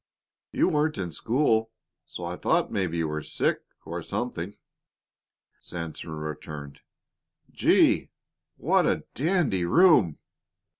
"You weren't in school, so I thought maybe you were sick, or something," Sanson returned. "Gee! What a dandy room!"